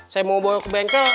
saya mau bawa ke bengkel